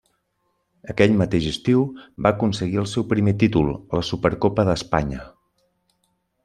Aquell mateix estiu va aconseguir el seu primer títol, la Supercopa d'Espanya.